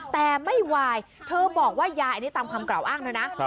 แต่ไม่ไหวเธอบอกว่ายายอันนี้ตามคำกล่าวอ้างเธอนะ